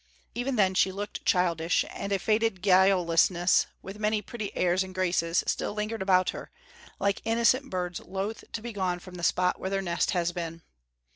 Even then she looked childish, and a faded guilelessness, with many pretty airs and graces, still lingered about her, like innocent birds loath to be gone from the spot where their nest has been.